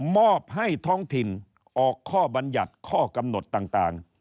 มอบให้ท้องถิ่นออกข้อบรรยัติข้อกำหนดต่าง